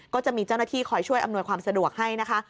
ก็จะมีเจ้าหน้าที่คอยช่วยอำนวยความสะดวกให้นะคะ